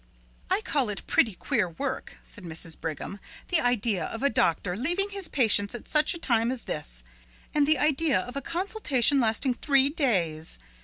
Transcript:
"I call it pretty queer work," said Mrs. Brigham. "The idea of a doctor leaving his patients at such a time as this, and the idea of a consultation lasting three days!